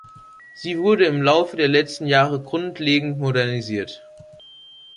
Sie wurde im Laufe der letzten Jahre grundlegend modernisiert.